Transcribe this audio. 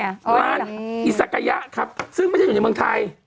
นั่นอิสกายะครับซึ่งไม่ใช่อยู่ในเมืองไทย